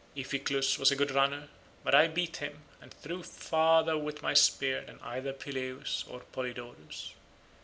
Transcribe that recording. Iphiclus was a good runner, but I beat him, and threw farther with my spear than either Phyleus or Polydorus.